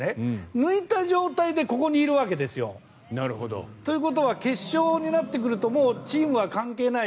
抜いた状態でここにいるわけですよ。ということは決勝になってくるともうチームは関係ない。